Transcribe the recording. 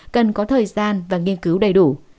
cần có thời gian và nghiên cứu đầy đủ